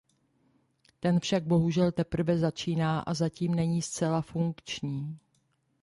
Ten však bohužel teprve začíná a zatím není zcela funkční.